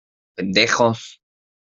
¡ pendejos!